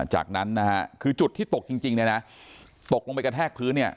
จากนั้นนะฮะคือจุดที่ตกจริงเนี่ยนะตกลงไปกระแทกพื้นเนี่ย